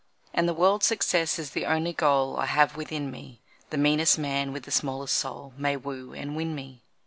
And the world's success is the only goal I have within me; The meanest man with the smallest soul May woo and win me.